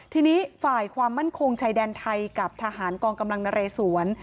ทีนี้ฝ่ายความมั่นคงชายแดนไทยกับทหารกองกำลังนเรสวน